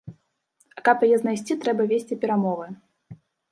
А каб яе знайсці, трэба весці перамовы.